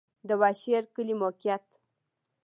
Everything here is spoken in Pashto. د واشر کلی موقعیت